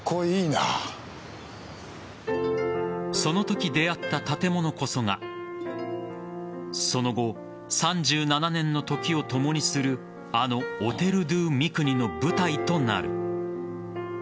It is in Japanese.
そのとき出合った建物こそがその後、３７年の時をともにするあのオテル・ドゥ・ミクニの舞台となる。